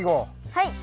はい。